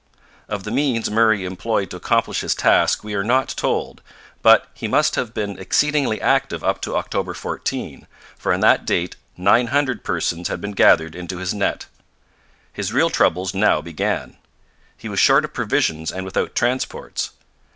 Of the means Murray employed to accomplish his task we are not told, but he must have been exceedingly active up to October 14, for on that date nine hundred persons had been gathered into his net. His real troubles now began; he was short of provisions and without transports.